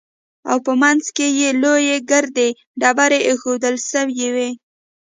او په منځ کښې يې لويې ګردې ډبرې ايښوول سوې وې.